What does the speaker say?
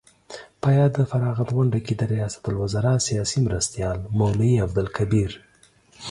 په یاده فراغت غونډه کې د ریاست الوزراء سیاسي مرستیال مولوي عبدالکبیر